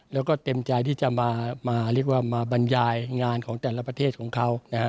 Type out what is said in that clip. แล้วก็เต็มใจที่จะมาบรรยายงานของแต่ละประเทศของเขา